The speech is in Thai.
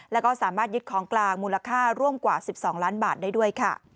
แล้วก็สามารถยึดของกลางมูลค่าร่วมกว่า๑๒ล้านบาทได้ด้วยค่ะ